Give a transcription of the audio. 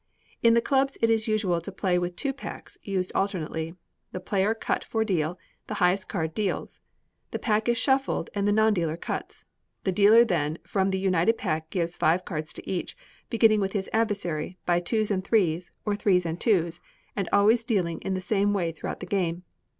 In the clubs it is usual to play with two packs, used alternately. The players cut for deal, the highest card deals. The pack is shuffled and the non dealer cuts. The dealer then from the united pack gives five cards to each, beginning with his adversary, by twos and threes, or threes and twos; and always dealing in the same way throughout the game.